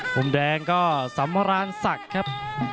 มุมแดงก็สำราญศักดิ์ครับ